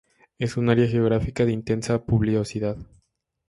Es un área geográfica de intensa pluviosidad.